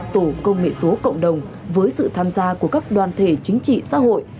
tổ công nghệ số cộng đồng với sự tham gia của các đoàn thể chính trị xã hội